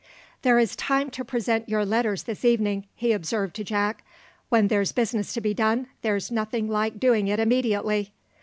"There is time to present your letters this evening," he observed to Jack. "When there's business to be done there's nothing like doing it immediately.